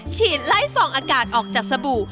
ฉีดไล่ฟองอากาศออกจากสบู่